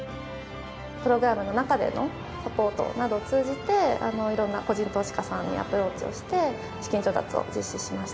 プログラムの中でのサポートなどを通じて色んな個人投資家さんにアプローチをして資金調達を実施しました。